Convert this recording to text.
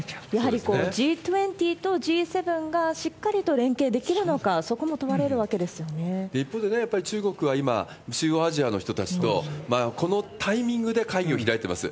やはりＧ２０とＧ７がしっかりと連携できるのか、一方でね、やっぱり中国は今、中央アジアの人たちと、このタイミングで会議を開いてます。